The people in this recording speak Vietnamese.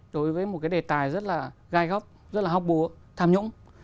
đối với một cái đề tài rất là gai góc rất là hóc búa tham nhũng